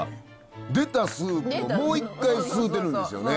出たスープをもう一回吸うてるんですよね。